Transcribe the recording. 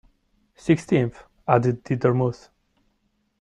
‘Sixteenth,’ added the Dormouse.